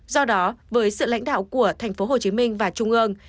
do đó với sự lãnh đạo của thành phố hồ chí minh và trung ương